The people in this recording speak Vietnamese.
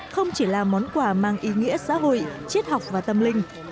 không chỉ là món quà mang ý nghĩa xã hội triết học và tâm linh